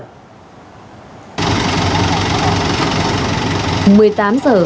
một mươi tám giờ một ngày cuối tuần